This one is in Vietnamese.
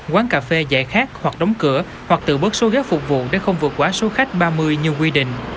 quán cà phê dạy khác hoặc đóng cửa hoặc tự bớt số ghế phục vụ để không vượt quá số khách ba mươi như quy định